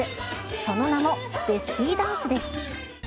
その名もベスティーダンスです。